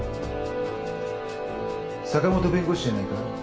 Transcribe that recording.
坂本弁護士じゃないか？